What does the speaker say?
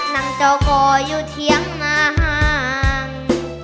นั่งเจ้าก่ออยู่เถียงมาห่าง